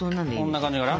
こんな感じかな？